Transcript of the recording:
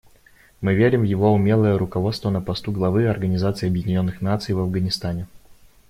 Мы верим в его умелое руководство на посту главы Организации Объединенных Наций в Афганистане.